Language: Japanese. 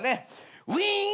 ウィーン。